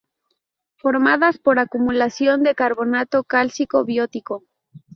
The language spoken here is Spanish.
Formadas por acumulación de carbonato cálcico biótico.